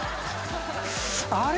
あれ？